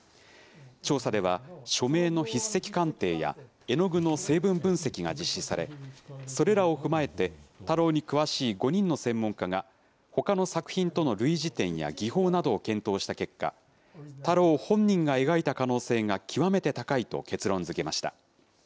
調査では、署名の筆跡鑑定や絵の具の成分分析が実施され、それらを踏まえて、太郎に詳しい５人の専門家が、ほかの作品との類似点や技法などを検討した結果、太郎本人が描いた可能性が極めて高いと結論づけました。